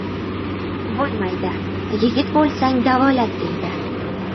Bo‘lmaydi! Yigit bo‘lsang davolat, deydi!